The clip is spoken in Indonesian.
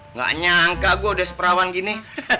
nggak nyangka gue udah seperawan gini